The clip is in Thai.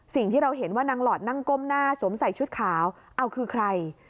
สิ่งที่เราเห็นว่านางหลอดนั่งก้มหน้าสวมใส่ชุดขาวเอาคือใคร